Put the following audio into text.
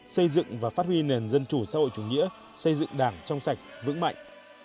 xây dựng và phát huy nền dân chủ xã hội chủ nghĩa xây dựng đảng trong sạch vững mạnh